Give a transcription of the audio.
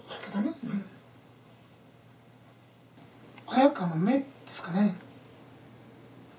彩花の目ですかね。